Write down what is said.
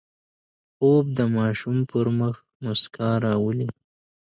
خوب د ماشوم پر مخ مسکا راوړي